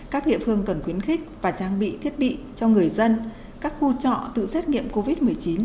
các địa phương cần khuyến khích và trang bị thiết bị cho người dân các khu trọ tự xét nghiệm covid một mươi chín